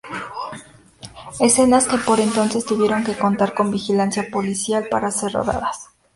Escenas que por entonces tuvieron que contar con vigilancia policial para ser rodadas.